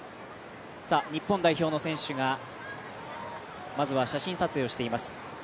日本代表の選手がまずは写真撮影をしています。